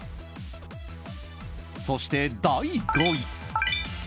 そして第５位。